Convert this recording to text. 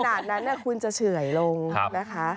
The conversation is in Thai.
ขนาดนั้นคุณจะเฉื่อยลงนะคะ